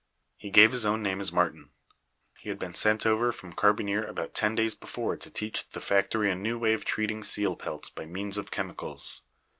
He gave his own name as Martin. He had been sent over from Carbonear about ten days before to teach the factory a new way of treating seal pelts by means of chemicals.